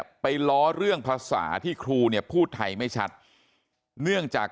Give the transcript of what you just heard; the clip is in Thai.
ไปล้อเรื่องภาษาที่ครูเนี่ยพูดไทยไม่ชัดเนื่องจาก